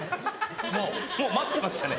もう待ってましたね。